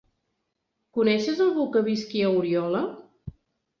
Coneixes algú que visqui a Oriola?